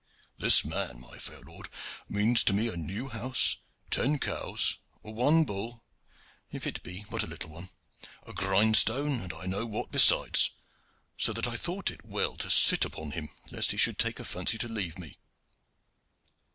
"This man, my fair lord, means to me a new house, ten cows, one bull if it be but a little one a grindstone, and I know not what besides; so that I thought it well to sit upon him, lest he should take a fancy to leave me."